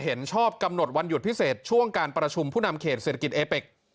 เห็นชอบกำหนดวันหยุดพิเศษช่วงการประชุมผู้นำเขตเศรษฐกิจเอเป็ก